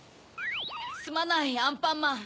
すまないアンパンマン。